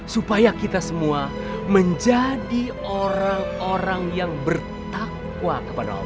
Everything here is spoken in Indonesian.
supaya kita semua menjadi orang orang yang bertakwa kepada allah